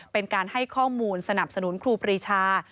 เป็นการให้ข้อมูลสนับสนุนครูปรีชา